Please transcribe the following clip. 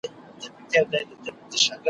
چي په ژوند کي یې په خوب نه وو لیدلی ,